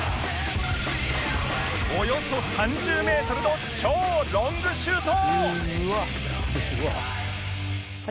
およそ３０メートルの超ロングシュート！